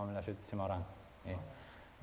saya sudah mengatakan sebelumnya